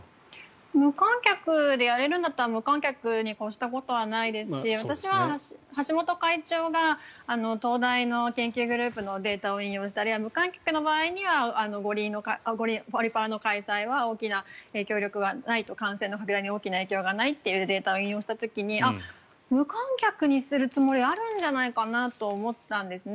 無観客でやれるんだったら無観客に越したことはないですし私は橋本会長が東大の研究グループのデータを引用して、無観客の場合にはオリ・パラの開催は大きな影響力はないと感染の拡大に大きな影響力はないというデータを引用した時に無観客にするつもりあるんじゃないかなと思ったんですね。